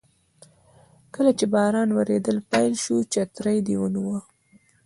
کله چې باران وریدل پیل شول چترۍ دې ونیوه.